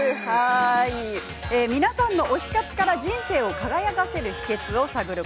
皆さんの推し活から人生を輝かせる秘けつを探る